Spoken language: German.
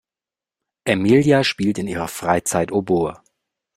Emilia spielt in ihrer Freizeit Oboe.